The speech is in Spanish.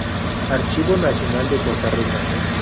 Archivo Nacional de Costa Rica.